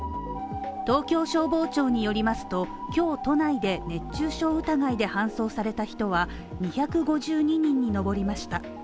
東京消防庁によりますと今日、都内で熱中症疑いで搬送された人は２５２人に上りました。